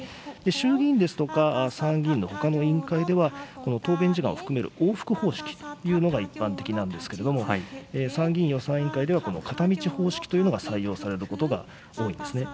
衆議院ですとか、参議院のほかの委員会では、この答弁時間を含める、往復方式というのが一般的なんですけれども、参議院予算委員会では、この片道方式というのが採用されることが多いんですね。